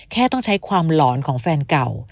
แค่ต้องใช้ความหลอนของแฟนเก่า